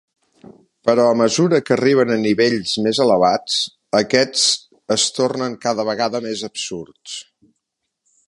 Però a mesura que arribem a nivells més elevats, aquests es tornen cada vegada més absurds.